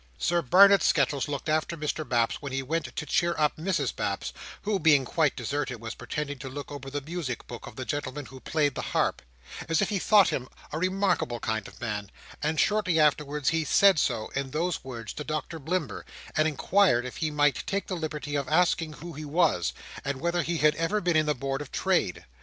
Sir Barnet Skettles looked after Mr Baps when he went to cheer up Mrs Baps (who, being quite deserted, was pretending to look over the music book of the gentleman who played the harp), as if he thought him a remarkable kind of man; and shortly afterwards he said so in those words to Doctor Blimber, and inquired if he might take the liberty of asking who he was, and whether he had ever been in the Board of Trade.